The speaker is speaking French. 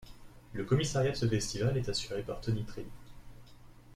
Le commissariat de ce festival est assuré par Tony Trehy.